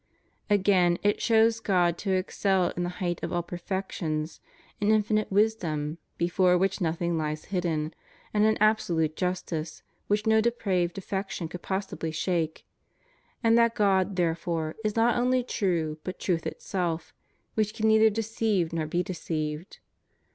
^ Again, it shows God to excel in the height of all perfections, in infinite wisdom before which nothing hes hidden, and in absolute justice which no depraved affection could possibly shake; and that God, therefore, is not only true but truth itself, which can neither deceive nor be deceived.